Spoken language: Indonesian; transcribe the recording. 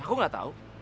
aku tidak tahu